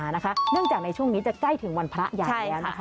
นะคะเนื่องจากในช่วงนี้จะใกล้ถึงวันพระอย่างแรกนะคะ